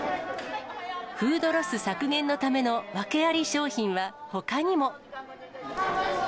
フードロス削減のための訳あり商品はほかにも。